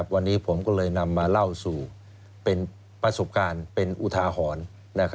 วันนี้ผมก็เลยนำมาเล่าสู่เป็นประสบการณ์เป็นอุทาหรณ์